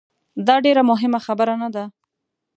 داډیره مهمه خبره نه ده